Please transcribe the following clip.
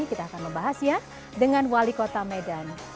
kita akan membahas ya dengan wali kota medan